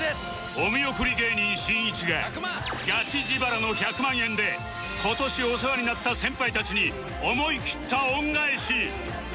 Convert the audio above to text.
お見送り芸人しんいちがガチ自腹の１００万円で今年お世話になった先輩たちに思い切った恩返し